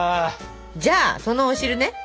じゃあそのお汁ね